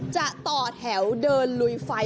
จะต่อแถวเดินลุยไฟ